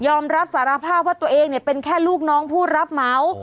อมรับสารภาพว่าตัวเองเนี่ยเป็นแค่ลูกน้องผู้รับเหมา